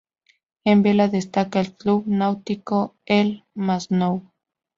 En vela destaca el Club Náutico El Masnou.